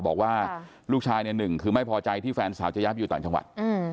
บอกว่าลูกชายเนี่ยหนึ่งคือไม่พอใจที่แฟนสาวจะย้ายไปอยู่ต่างจังหวัด